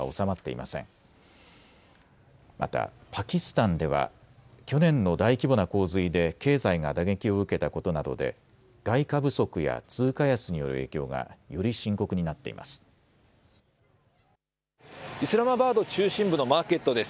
またパキスタンでは去年の大規模な洪水で経済が打撃を受けたことなどで外貨不足や通貨安による影響がより深刻になっています。